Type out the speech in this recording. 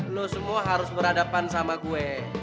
lo semua harus berhadapan sama gue